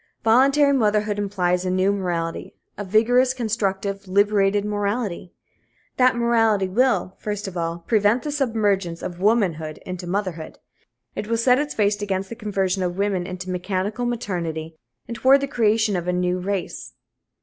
Voluntary motherhood implies a new morality a vigorous, constructive, liberated morality. That morality will, first of all, prevent the submergence of womanhood into motherhood. It will set its face against the conversion of women into mechanical maternity and toward the creation of a new race.